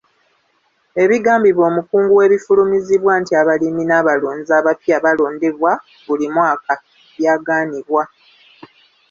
Ebigambibwa omukungu w'ebifulumizibwa nti abalimi n'abalunzi abapya balondebwa buli mwaka byagaanibwa.